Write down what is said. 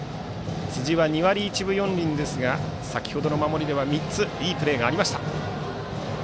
辻は２割１分４厘ですが先程の守りでは３ついいプレーがありました。